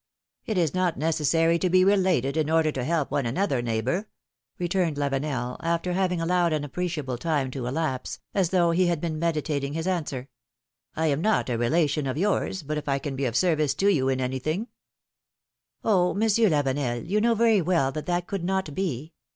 ^' It is not necessary to be related, in order to help one another, neighbor,'^ returned Lavenel, after having allowed an appreciable time to elapse, as though he had been med itating his answer : I am not a relation of yours, but if I can be of service to you in anything — Oh ! Monsieur Lavenel, you know very well that that could not be